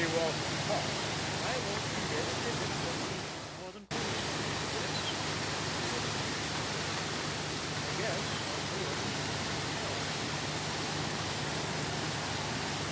Walton coughed "I won't need that ticket for the heat of Northern Queensland. I guess" he ended gravely "I guess I'm going to hell."